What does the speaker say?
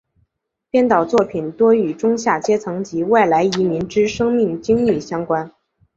编导作品多与中下阶层及外来移民之生命经历相关。